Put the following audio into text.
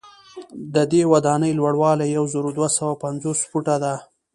ددې ودانۍ لوړوالی یو زر دوه سوه پنځوس فوټه دی.